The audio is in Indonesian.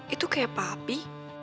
itu kayak apa api